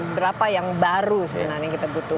berapa yang baru sebenarnya kita butuh